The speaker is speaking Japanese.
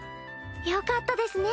よかったですね